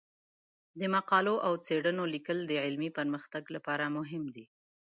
د مقالو او څیړنو لیکل د علمي پرمختګ لپاره مهم دي.